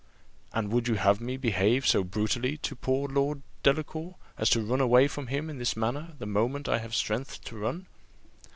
"And would you have me behave so brutally to poor Lord Delacour, as to run away from him in this manner the moment I have strength to run?"